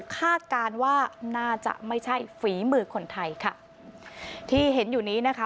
คาดการณ์ว่าน่าจะไม่ใช่ฝีมือคนไทยค่ะที่เห็นอยู่นี้นะคะ